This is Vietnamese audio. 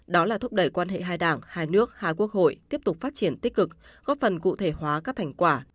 đó là thúc đẩy quan hệ hai đảng hai nước hai quốc hội tiếp tục phát triển tích cực góp phần cụ thể hóa các thành quả